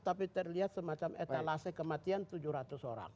tapi terlihat semacam etalase kematian tujuh ratus orang